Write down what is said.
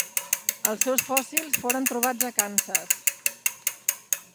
Els seus fòssils foren trobats a Kansas.